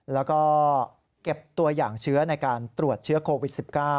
แล้วก็เก็บตัวอย่างเชื้อในการตรวจเชื้อโควิด๑๙